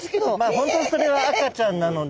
本当にそれは赤ちゃんなので。